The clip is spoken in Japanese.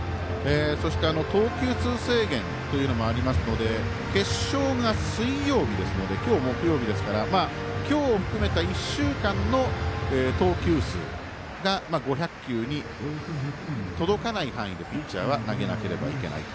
そして、投球数制限もありますので、決勝が水曜日ですので今日、木曜日ですから今日含めた１週間の投球数が５００球に届かない範囲で、ピッチャーは投げなければいけない。